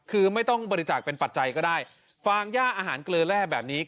คือไม่ต้องบริจาคเป็นปัจจัยก็ได้ฟางย่าอาหารเกลือแร่แบบนี้